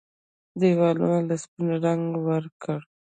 ديوالونو له سپين رنګ ورکړه